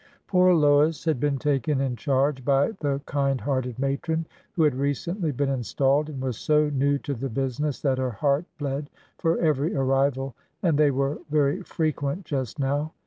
Poor Lois had been taken in charge by the kind hearted matron, who had recently been installed and was so new to the business that her heart bled for every ar rival, and they were very frequent just now.